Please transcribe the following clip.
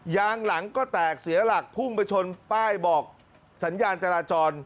ยางหลังก็แตกเสียหลักพุ่งไปชนป้ายบอกสัญญาณจราจร